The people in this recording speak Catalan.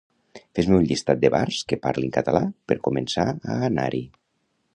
Fes-me un llistat de bars que parlin català per començar a anar-hi